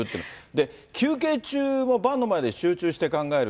で、休憩中も盤の前で集中して考える。